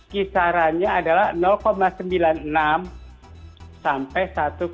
kisarannya adalah sembilan puluh enam sampai satu tujuh